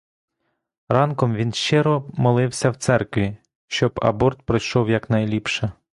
Ранком він щиро молився в церкві, щоб аборт пройшов якнайліпше.